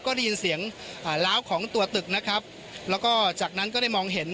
ก็ได้ยินเสียงอ่าล้าวของตัวตึกนะครับแล้วก็จากนั้นก็ได้มองเห็น